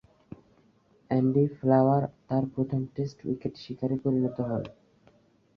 Andy Flower তার প্রথম test wicket শিকারে পরিণত হন।